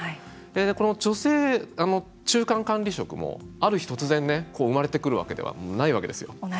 この女性中間管理職もある日、突然生まれてくるわけじゃないんです。